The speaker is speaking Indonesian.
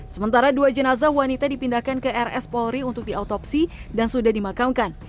sementara dua jenazah wanita dipindahkan ke rs polri untuk diautopsi dan sudah dimakamkan